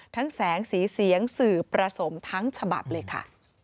แสงสีเสียงสื่อประสมทั้งฉบับเลยค่ะ